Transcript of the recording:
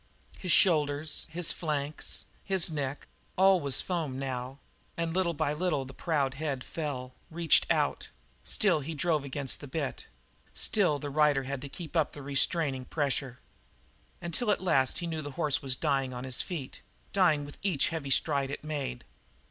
His shoulders, his flanks, his neck all was foam now; and little by little the proud head fell, reached out; still he drove against the bit; still the rider had to keep up the restraining pressure. Until at last he knew that the horse was dying on his feet; dying with each heavy stride it made.